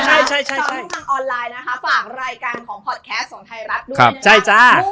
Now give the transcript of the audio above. ช่องทุกทางออนไลน์ฝากรายการของพอดแคสของไทยรัฐดูด้วยนะครับ